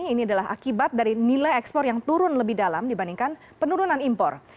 ini adalah akibat dari nilai ekspor yang turun lebih dalam dibandingkan penurunan impor